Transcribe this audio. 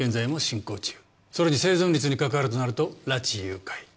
それに生存率に関わるとなると拉致誘拐。